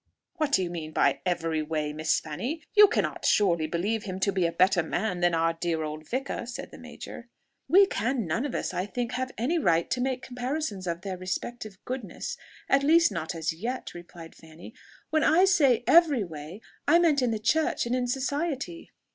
"What do you mean by every way, Miss Fanny? you cannot surely believe him to be a better man than our dear old vicar?" said the major. "We can none of us, I think, have any right to make comparisons of their respective goodness at least not as yet," replied Fanny. "When I said every way, I meant in the church and in society."